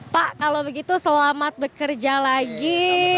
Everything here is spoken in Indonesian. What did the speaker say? pak kalau begitu selamat bekerja lagi